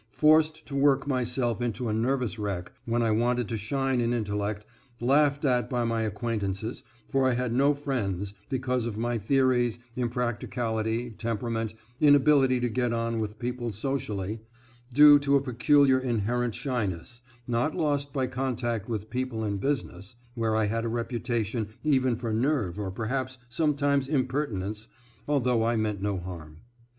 Forced to work myself into a nervous wreck, when I wanted to shine in intellect; laughed at by my acquaintances, for I had no friends, because of my theories, impracticality, temperament; inability to get on with people socially, due to a peculiar inherent shyness, not lost by contact with people in business, where I had a reputation even for nerve or perhaps sometimes impertinence, although I meant no harm.